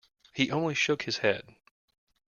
He only shook his head.